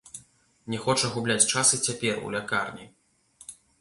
Не хоча губляць час і цяпер, у лякарні.